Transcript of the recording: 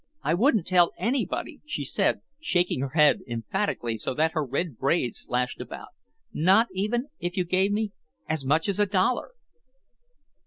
"I wouldn't tell anybody," she said, shaking her head emphatically so that her red braids lashed about; "not even if you gave me—as much as a dollar...."